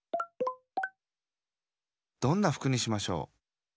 どんなふくにしましょう？